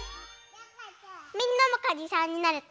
みんなもかにさんになれた？